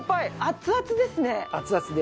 熱々です。